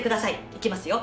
いきますよ。